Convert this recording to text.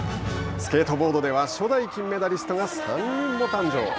スケートボードでは初代・金メダリストが３人も誕生。